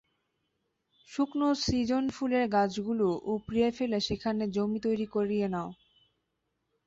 শুকনো সীজন ফুলের গাছগুলো উপড়িয়ে ফেলে সেখানে জমি তৈরি করিয়ে নাও।